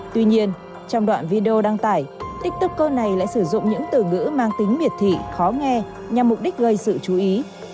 tuy nhiên trong đoạn video đăng tải tiktoker này lại sử dụng những từ ngữ mang tính miệt thị khó nghe nhằm mục đích gây sự chú ý